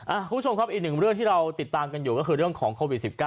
คุณผู้ชมครับอีกหนึ่งเรื่องที่เราติดตามกันอยู่ก็คือเรื่องของโควิด๑๙